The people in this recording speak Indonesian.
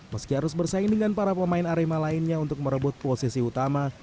meski harus bersaing dengan para pemain arema lainnya untuk merebut posisi utama